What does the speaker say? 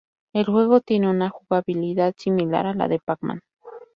El juego tiene una jugabilidad similar a la de Pac-Man.